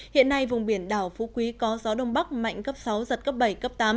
hiện nay vùng biển đảo phú quý có gió đông bắc mạnh cấp sáu giật cấp bảy cấp tám